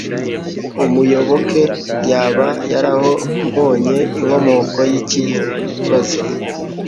Umuyoboke yaba yarabonye inkomoko yikibazo?